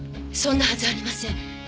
そんなはずありません。